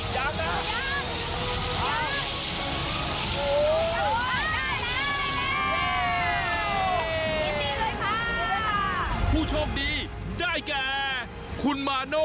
มาแล้วผู้โชคดีอีกหนึ่งคน